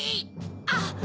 あっ！